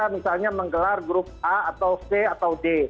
misalnya menggelar grup a atau c atau d